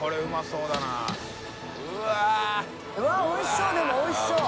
うわっおいしそうでもおいしそう！